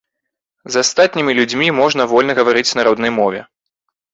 З астатнімі людзьмі можна вольна гаварыць на роднай мове.